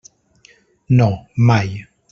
No, mai.